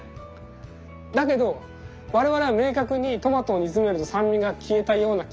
だけど我々は明確にトマトを煮詰めると酸味が消えたような気がするじゃないですか。